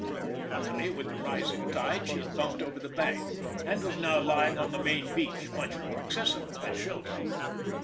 Luckily with the rising tide she had bumped over the bank, and was now lying on the main beach much more accessible and sheltered.